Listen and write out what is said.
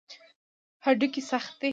هډوکي سخت دي.